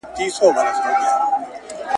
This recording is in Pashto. ولي چي تر مړينه وروسته يې